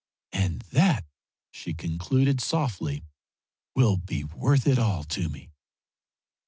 and that," she concluded, softly, "will be worth it all to me."